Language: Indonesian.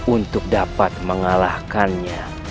untuk dapat mengalahkannya